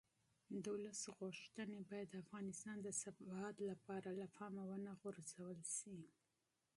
د ولس غوښتنې باید د افغانستان د ثبات لپاره له پامه ونه غورځول شي